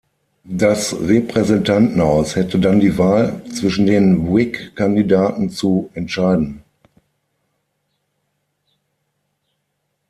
Das Repräsentantenhaus hätte dann die Wahl, zwischen den Whig-Kandidaten zu entscheiden.